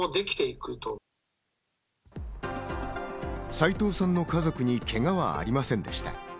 斎藤さんの家族にけがはありませんでした。